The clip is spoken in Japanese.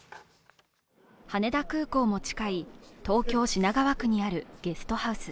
羽田空港も近い、東京・品川区にあるゲストハウス。